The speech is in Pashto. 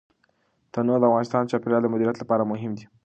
تنوع د افغانستان د چاپیریال د مدیریت لپاره مهم دي.